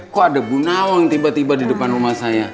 kok ada bu nawang tiba tiba di depan rumah saya